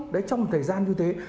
đấy trong một thời gian như thế